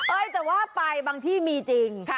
แต่ว่าไปบางที่มีจริง